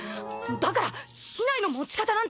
だから竹刀の持ち方なんて。